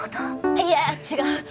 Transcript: いや違う。